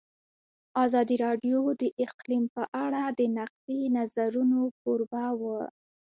ازادي راډیو د اقلیم په اړه د نقدي نظرونو کوربه وه.